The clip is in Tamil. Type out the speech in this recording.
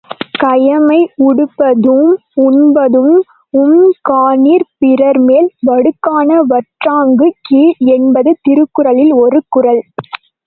கயமை உடுப்பதூஉம் உண்பது உம் காணிற் பிறர்மேல் வடுக்காண வற்றாகுங் கீழ் என்பது திருக்குறளில் ஒரு குறள்.